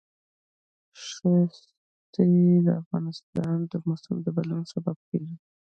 ښتې د افغانستان د موسم د بدلون سبب کېږي.